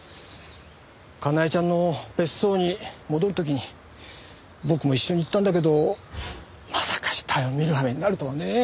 かなえちゃんの別荘に戻る時に僕も一緒に行ったんだけどまさか死体を見るはめになるとはね。